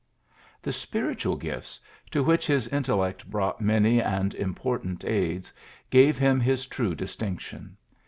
The spiritual gifts, to which his intel lect brought many and important aids, gave him his true distinction.